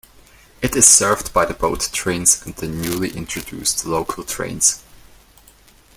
It is served by the boat trains and the newly introduced local trains.